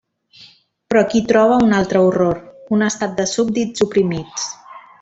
Però aquí troba un altre horror: un estat de súbdits oprimits.